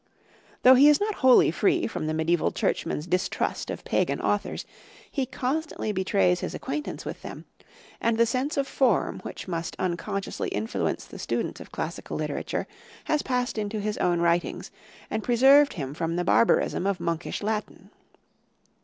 Though he is not wholly free from the mediaeval churchman's distrust of pagan authors, he constantly betrays his acquaintance with them, and the sense of form which must unconsciously influence the student of classical literature has passed into his own writings and preserved him from the barbarism of monkish Latin.